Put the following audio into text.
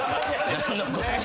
何のこっちゃ。